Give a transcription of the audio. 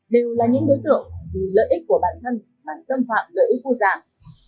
đều là những đối tượng vì lợi ích của bản thân và xâm phạm lợi ích vô dạng